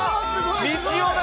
みちおだ！